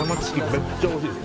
めっちゃ美味しいです。